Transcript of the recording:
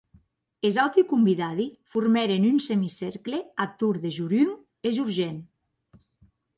Es auti convidadi formèren un semicercle ath torn de Jorun e Jorgen.